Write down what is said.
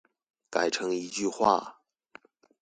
改成一句話